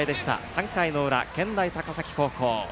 ３回の裏、健大高崎高校。